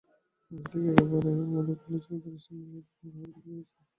ঠিক একেবারে পড়ল চৌকিদারের সামনে, সে তখন টহল দিতে বেরিয়েছে।